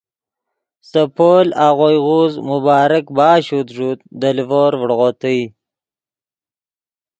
سے پول آغوئے غوز مبارک باشد ݱوت دے لیڤور ڤڑغو تئے